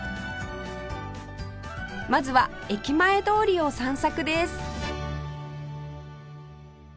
まずは駅前通りを散策です